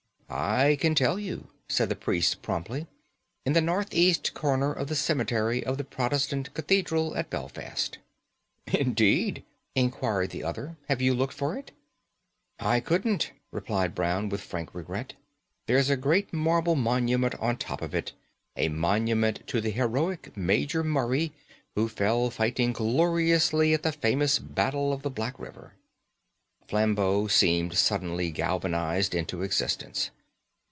"I can tell you," said the priest promptly. "In the northeast corner of the cemetery of the Protestant Cathedral at Belfast." "Indeed?" inquired the other. "Have you looked for it?" "I couldn't," replied Brown, with frank regret. "There's a great marble monument on top of it; a monument to the heroic Major Murray, who fell fighting gloriously at the famous Battle of the Black River." Flambeau seemed suddenly galvanised into existence.